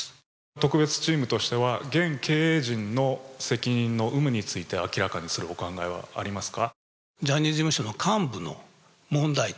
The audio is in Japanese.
特別チームとしては、現経営陣の責任の有無について明らかにするお考えはありますか？